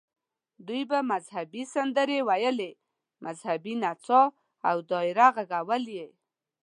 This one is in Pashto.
دوی به مذهبي سندرې ویلې، مذهبي نڅا او دایره غږول یې.